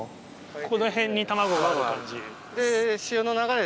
この辺に卵がある感じ。